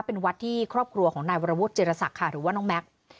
เป็นวัดที่ครอบครัวของนายวรวุฒิเจรศักดิ์ค่ะหรือว่าน้องแม็กซ์